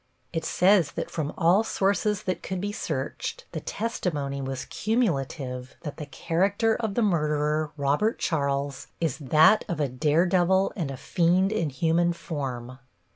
It says that from all sources that could be searched "the testimony was cumulative that the character of the murderer, Robert Charles, is that of a daredevil and a fiend in human form."